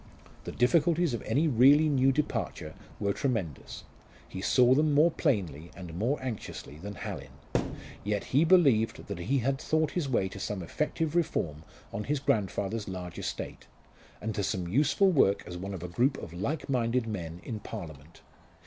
The difficulties of any really new departure were tremendous; he saw them more plainly and more anxiously than Hallin. Yet he believed that he had thought his way to some effective reform on his grandfather's large estate, and to some useful work as one of a group of like minded men in Parliament.